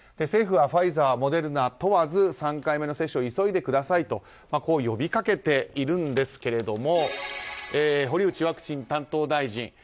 政府はファイザー、モデルナ問わず３回目の接種を急いでくださいと呼びかけているんですが堀内ワクチン担当大臣。